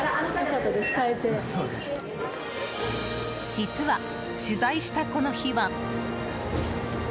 実は、取材したこの日は。